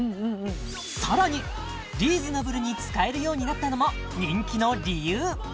さらにリーズナブルに使えるようになったのも人気の理由